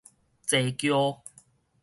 坐轎